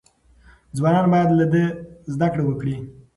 ځوانان باید له ده زده کړه وکړي.